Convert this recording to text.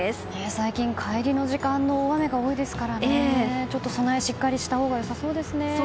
最近、帰りの時間の大雨が多いですから備え、しっかりしたほうが良さそうですね。